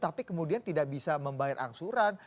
tapi kemudian tidak bisa membayar angsuran